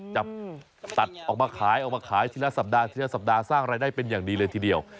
จับตัดออกมาขายออกมาขายทีละสัปดาห์ทีละสัปดาห์สร้างรายได้เป็นอย่างดีเลยทีเดียว